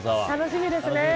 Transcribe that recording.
楽しみですね。